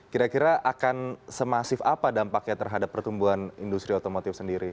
kira kira akan semasif apa dampaknya terhadap pertumbuhan industri otomotif sendiri